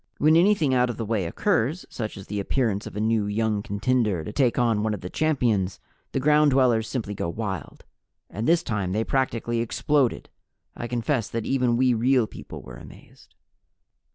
When anything out of the way occurs, such as the appearance of a new young contender to take on one of the champions, the Ground Dwellers simply go wild. And this time they practically exploded. I confess that even we Real People were amazed.